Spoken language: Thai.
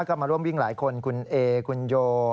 ก็มาร่วมวิ่งหลายคนคุณเอคุณโย